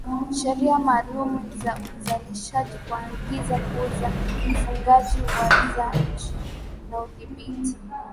sheria maalum za uzalishaji kuagiza kuuza ufungaji uuzaji na udhibiti